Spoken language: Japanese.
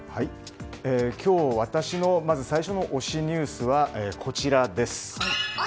今日、私の最初の推しニュースはこちらです。